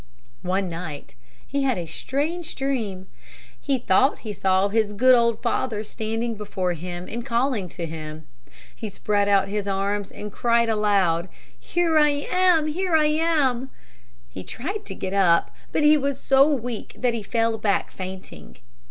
One night he had a strange dream. He thought he saw his good old father standing before him calling to him. He spread out his arms and cried aloud, "Here I am, here I am!" He tried to get up, but he was so weak that he fell back fainting.